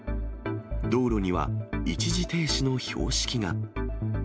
道路には一時停止の標識が。